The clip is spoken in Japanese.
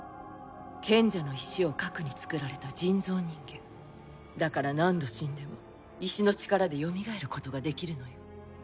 賢者の石を核につくられた人造人間だから何度死んでも石の力でよみがえることができるのよ